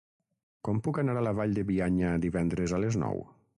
Com puc anar a la Vall de Bianya divendres a les nou?